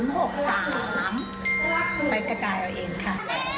ไปกระจายเอาเองค่ะ